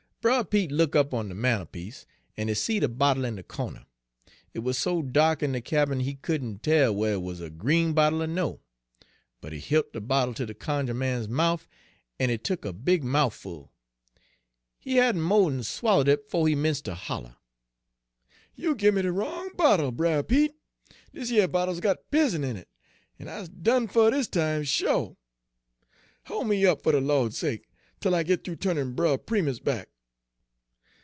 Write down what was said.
"Brer Pete look' up on de mantelpiece, en he seed a bottle in de corner. It was so da'k in de cabin he couldn' tell whe'r it wuz a green bottle er no. But he hilt de bottle ter de cunjuh man's mouf, en he tuk a big mouff'l. He hadn' mo' d'n swallowed it befo' he 'mence' ter holler. " 'You gimme de wrong bottle, Brer Pete; dis yer bottle's got pizen in it, en I's done fer dis time, sho'. Hol' me up, fer de Lawd's sake! 'tel I git th'ee turnin' Brer Primus back.'